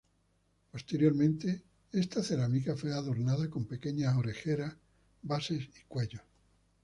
Posteriormente, esta cerámica fue adornada con pequeñas orejeras, bases y cuellos.